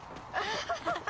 ハハハハ。